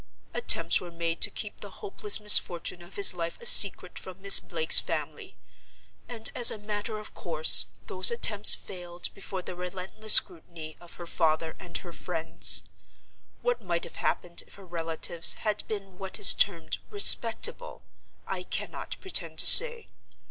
Attempts were made to keep the hopeless misfortune of his life a secret from Miss Blake's family; and, as a matter of course, those attempts failed before the relentless scrutiny of her father and her friends. What might have happened if her relatives had been what is termed 'respectable' I cannot pretend to say.